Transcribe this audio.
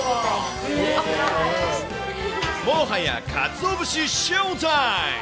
もはや、かつお節ショータイム。